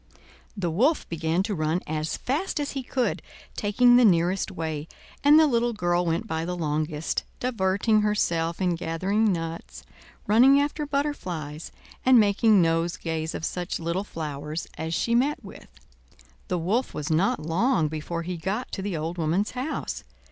The Wolf began to run as fast as he could, taking the nearest way, and the little girl went by the longest, diverting herself in gathering nuts, running after butterflies, and making nosegays of such little flowers as she met with. The Wolf was not long before he got to the old woman's house.